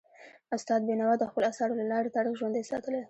استاد بینوا د خپلو اثارو له لارې تاریخ ژوندی ساتلی.